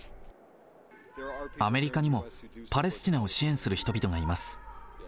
アメリカにもパレスチナを支援する人々がいます。